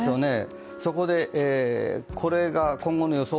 そこで、これが今後の予想